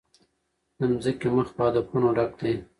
د مځکي مخ په هدفونو ډک دی.